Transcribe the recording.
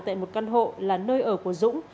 tại một căn hộ là nơi ở của dũng